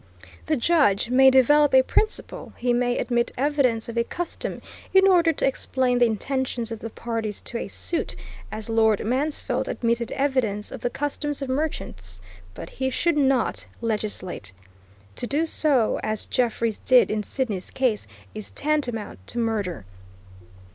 The judge may develop a principle, he may admit evidence of a custom in order to explain the intentions of the parties to a suit, as Lord Mansfield admitted evidence of the customs of merchants, but he should not legislate. To do so, as Jeffreys did in Sidney's case, is tantamount to murder.